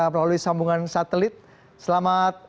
melalui sambungan satelit selamat